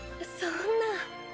そんな。